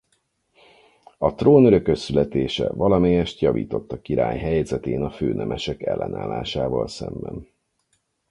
A trónörökös születése valamelyest javított a király helyzetén a főnemesek ellenállásával szemben.